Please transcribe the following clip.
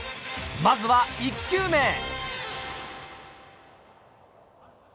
まずは１球目。